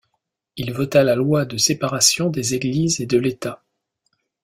Il vota la loi de séparation des églises et de l'État.